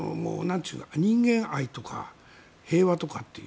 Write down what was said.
人間愛とか、平和とかっていう。